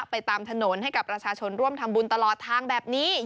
ไปตามถนนให้กับประชาชนร่วมทำบุญตลอดทางแบบนี้